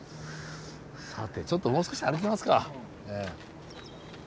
さてちょっともう少し歩きますか。